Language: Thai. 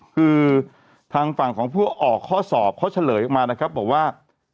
คือทางฝั่งของผู้ออกข้อสอบเขาเฉลยออกมานะครับบอกว่า